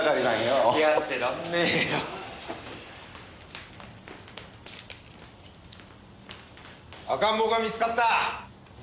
付き合っ赤ん坊が見つかった！